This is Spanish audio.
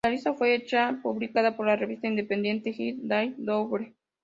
La lista fue hecha pública por la revista independiente "Hits Daily Double".